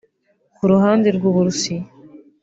Ku ruhande rw’u Burusiya